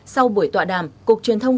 sau buổi tọa đàm cục truyền thông